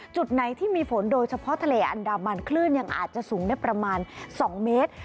จุดไหนที่มีฝนโดยเฉพาะทะเลอันดามันคลื่นยังอาจจะสูงได้ประมาณ๒เมตร